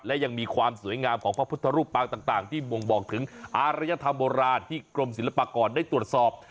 และยังมีความสวยงามของพระพุทธรูปปางต่างที่บ่งบอกถึงอารยธรรมโบราณที่กรมศิลปากรได้ตรวจสอบ